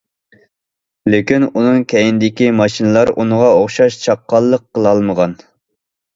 لېكىن ئۇنىڭ كەينىدىكى ماشىنىلار ئۇنىڭغا ئوخشاش چاققانلىق قىلالمىغان.